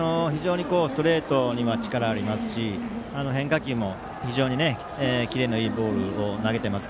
ストレートに力ありますし変化球も非常にキレのいいボールを投げてます。